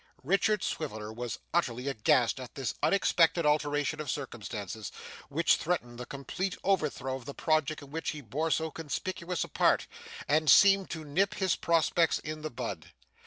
Richard Swiveller was utterly aghast at this unexpected alteration of circumstances, which threatened the complete overthrow of the project in which he bore so conspicuous a part, and seemed to nip his prospects in the bud.